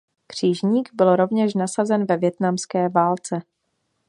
Křižník byl rovněž nasazen ve vietnamské válce.